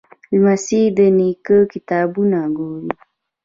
لمسی د نیکه کتابونه ګوري.